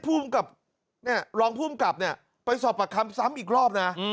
พู่พุมกับรองผู้กำกับไปสอบปากคำสำอีกรอบนะ